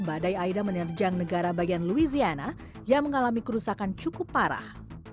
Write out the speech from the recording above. badai aida menerjang negara bagian louisiana yang mengalami kerusakan cukup parah